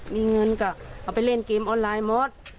มีเงินก็เอาไปเล่นเกมออนไลน์หมด